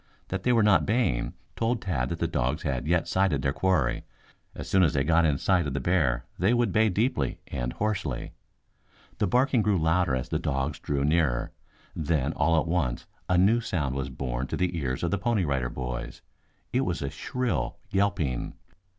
That they were not baying told Tad that the dogs had not yet sighted their quarry. As soon as they got in sight of the bear they would bay deeply and hoarsely. The barking grew louder as the dogs drew nearer, then all at once a new sound was borne to the ears of the Pony Rider Boys. It was a shrill yelping.